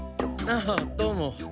あどうも。